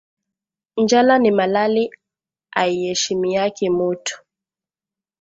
Njala ni malali aieshimiaki mutu